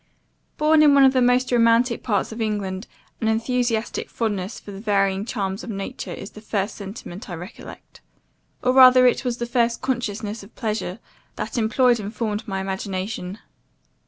"Born in one of the most romantic parts of England, an enthusiastic fondness for the varying charms of nature is the first sentiment I recollect; or rather it was the first consciousness of pleasure that employed and formed my imagination.